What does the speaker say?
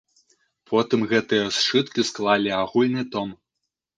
Потым гэтыя сшыткі склалі агульны том.